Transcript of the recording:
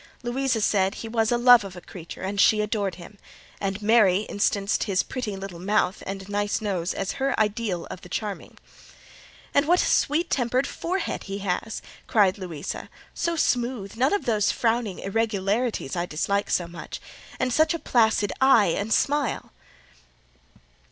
Louisa said he was "a love of a creature," and she "adored him;" and Mary instanced his "pretty little mouth, and nice nose," as her ideal of the charming. "And what a sweet tempered forehead he has!" cried Louisa,—"so smooth—none of those frowning irregularities I dislike so much; and such a placid eye and smile!"